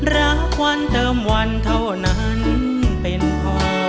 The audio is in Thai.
รักวันเติมวันเท่านั้นเป็นพอ